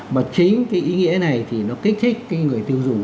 mà chính cái ý nghĩa này thì nó kích thích cái người tiêu dùng